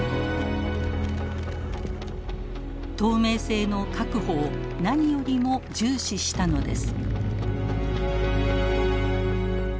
透明性の確保を何よりも重視したのです。